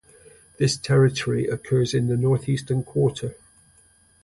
This territory occurs in the northeastern quarter.